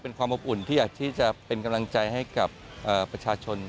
เป็นความอบอุ่นที่อยากที่จะเป็นกำลังใจให้กับประชาชน